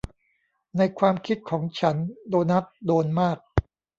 ในความคิดของฉันโดนัทโดนมาก